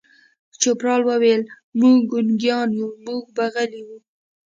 چوپړوال وویل: موږ ګونګیان یو، موږ به غلي وو.